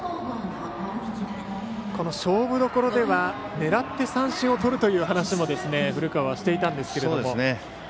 この勝負どころでは狙って三振をとるという話も古川はしていたんですが。